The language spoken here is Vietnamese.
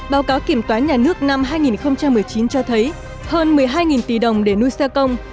báo cáo kiểm toán nhà nước năm hai nghìn một mươi chín cho thấy hơn một mươi hai tỷ đồng để nuôi xe công